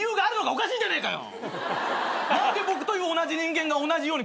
おかしいじゃねえかよ！